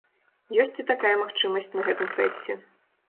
Ёсць і такая магчымасць на гэтым фэсце.